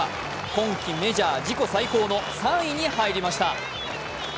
今季、メジャー自己最高の３位に入りました。